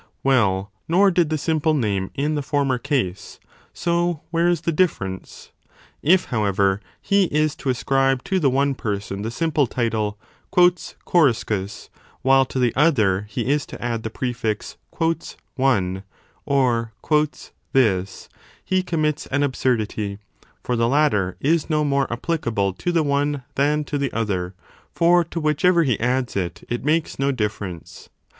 Well, nor did the simple name in the former case : so where is the difference ? 3 If, however, he is to ascribe to the one person the simple 25 title Coriscus , while to the other he is to add the prefix 4 one or this , he commits an absurdity : for the latter is no more applicable to the one than to the other : for to whichever he adds it, it makes no difference.